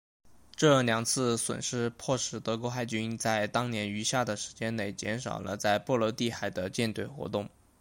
这两次损失迫使德国海军在当年余下的时间内减少了在波罗的海的舰队活动。